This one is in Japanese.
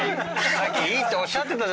さっきいいっておっしゃってた。